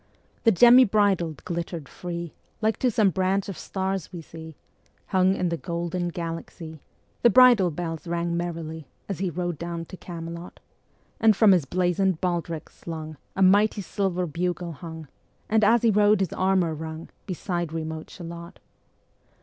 The gemmy bridle glitter'd free, Like to some branch of stars we see Hung in the golden Galaxy. The bridle bells rang merrily Ā Ā As he rode down to Camelot: And from his blazon'd baldric slung A mighty silver bugle hung, And as he rode his armour rung, Ā Ā Beside remote Shalott.